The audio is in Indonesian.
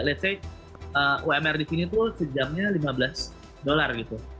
let's say umr di sini tuh sejamnya lima belas dollar gitu